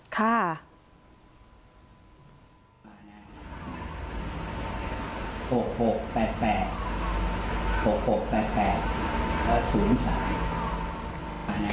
คุณผู้ชมดูเลยค่ะ